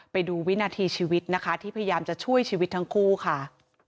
ไปดูวินาทีชีวิตนะคะที่พยายามจะช่วยชีวิตทั้งคู่ค่ะ